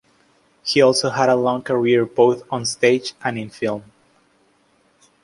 He also had a long career both on stage and in film.